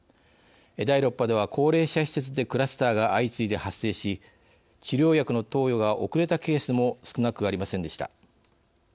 第６波では、高齢者施設でクラスターが相次いで発生し治療薬の投与が遅れたケースも少なくありませんでした。